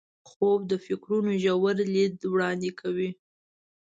خوب د فکرونو ژور لید وړاندې کوي